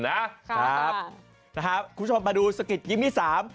คุณผู้ชมมาดูสกิดยิ้มที่สาม